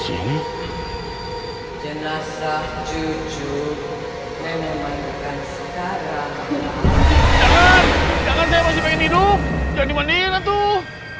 jangan dimandikan tuh